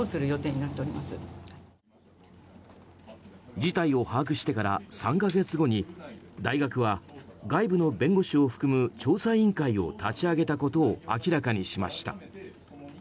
事態を把握してから３か月後に大学は、外部の弁護士を含む調査委員会を立ち上げたことを明らかにしました。